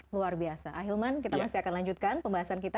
luar biasa ahilman kita masih akan lanjutkan pembahasan kita